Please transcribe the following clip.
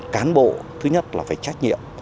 cán bộ thứ nhất là phải trách nhiệm